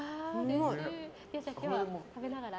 今日は食べながら。